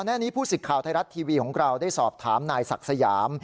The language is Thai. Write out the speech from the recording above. หน้านี้ผู้สิทธิ์ข่าวไทยรัฐทีวีของเราได้สอบถามนายศักดิ์สยาม